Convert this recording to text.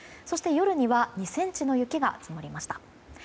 そして、夜には２ｃｍの雪が積もりました。